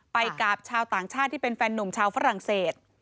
ไปกับชาวต่างชาติที่เป็นแฟนหนุ่มชาวฝรั่งเศส